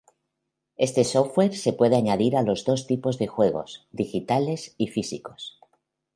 Este software se puede añadir a los dos tipos juegos, digitales y físicos.